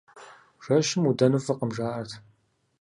Жэщым удэну фӀыкъым, жаӀэрт.